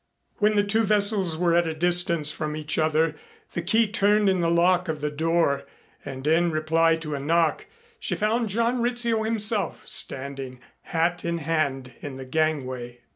When the two vessels were at a distance from each other the key turned in the lock of the door and in reply to a knock, she found John Rizzio himself, standing hat in hand in the gangway.